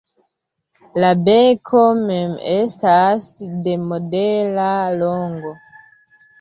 La beko mem estas de modera longo.